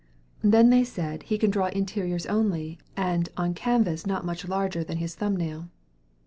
Then they said he can draw interiors only, and "on a canvas not much larger than his thumb nail."